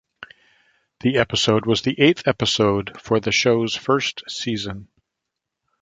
The episode was the eighth episode for the show's first season.